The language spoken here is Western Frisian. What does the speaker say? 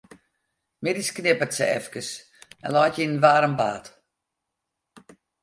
Middeis knipperet hja efkes en leit faak yn in waarm bad.